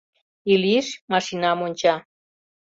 Ильич машинам онча